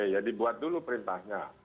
jadi buat dulu perintahnya